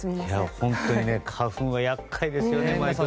本当に花粉は厄介ですよね。